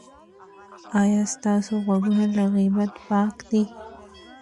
ایا ستاسو غوږونه له غیبت پاک دي؟